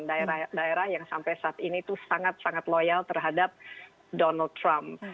daerah daerah yang sampai saat ini itu sangat sangat loyal terhadap donald trump